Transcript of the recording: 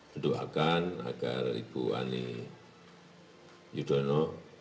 mendoakan agar ibu ani yudhoyono